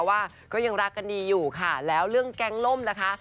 ว่าก็ยังรักกันดีอยู่ค่ะแล้วเรื่องแก๊งล่มล่ะคะ